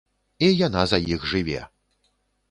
І яна за іх жыве!